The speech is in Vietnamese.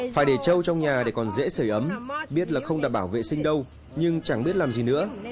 phải để trâu trong nhà để còn dễ sửa ấm biết là không đảm bảo vệ sinh đâu nhưng chẳng biết làm gì nữa